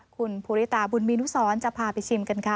คุณภูริตาบุญมีนุสรจะพาไปชิมกันค่ะ